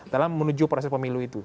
dalam menuju proses pemilu itu